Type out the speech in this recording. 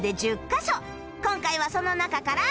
今回はその中から